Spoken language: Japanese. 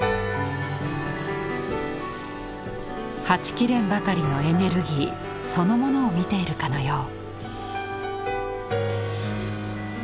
はち切れんばかりのエネルギーそのものを見ているかのよう。